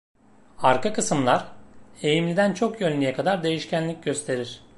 Arka kısımlar, eğimliden çok yönlüye kadar değişkenlik gösterir.